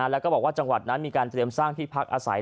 แล้วก็บอกว่าจังหวัดนั้นมีการเตรียมสร้างที่พักอาศัย